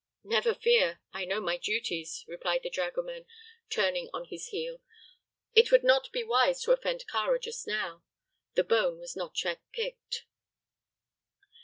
"Never fear; I know my duties," replied the dragoman, turning on his heel. It would not be wise to offend Kāra just now. The bone was not yet picked.